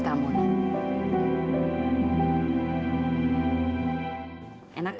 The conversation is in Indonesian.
ya udah yaudah